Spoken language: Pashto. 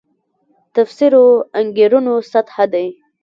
تفسیرو انګېرنو سطح دی.